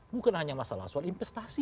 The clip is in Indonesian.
bukan hanya masalah soal investasi